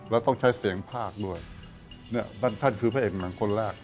แล้วต้องใช้เสียงภาคด้วยเนี่ยท่านคือพระเอกหนังคนแรก